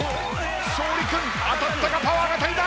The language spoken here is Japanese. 勝利君当たったがパワーが足りない！